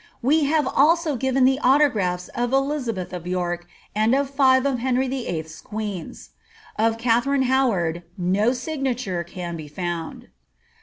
We have also given the autographs of Elizabeth of York, and of five of Henry VIII.'s queens. Of Katha rine Howard no signature can be found.